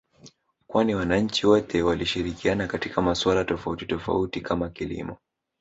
kwani wananchi wote walishirikiana katika masuala tofauti tofauti kama kilimo